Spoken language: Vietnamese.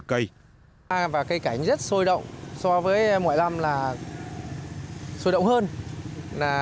cây cảnh rất sôi động so với mọi năm là sôi động hơn